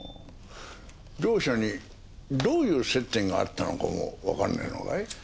両者にどういう接点があったのかもわかんねえのかい？